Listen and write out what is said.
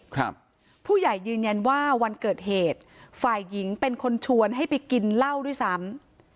ครับผู้ใหญ่ยืนยันว่าวันเกิดเหตุฝ่ายหญิงเป็นคนชวนให้ไปกินเหล้าด้วยซ้ำ